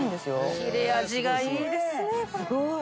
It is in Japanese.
すごーい！